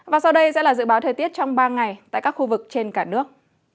và sau đây sẽ là dự báo thời tiết trong ba ngày tại các khu vực trên cả nước